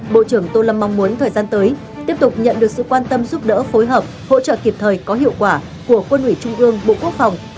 bộ trưởng tô lâm mong muốn thời gian tới tiếp tục nhận được sự quan tâm giúp đỡ phối hợp hỗ trợ kịp thời có hiệu quả của quân ủy trung ương bộ quốc phòng